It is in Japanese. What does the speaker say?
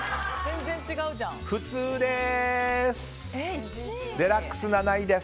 普通です！